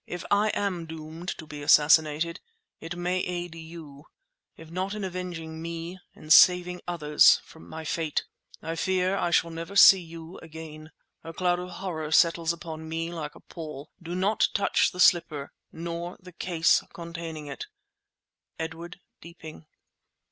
If I am doomed to be assassinated, it may aid you; if not in avenging me, in saving others from my fate. I fear I shall never see you again. A cloud of horror settles upon me like a pall. Do not touch the slipper, nor the case containing it. EDWARD DEEPING.